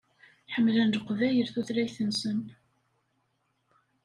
Ḥemmlen Leqbayel tutlayt-nsen.